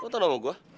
kau tau namanya gua